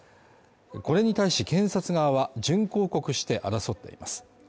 これに対し検察側は、準抗告して争っています。